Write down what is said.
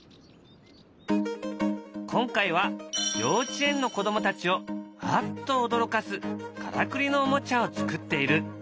今回は幼稚園の子どもたちをアッと驚かすからくりのおもちゃを作っている。